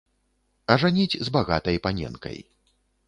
Ажаніць з багатай паненкай.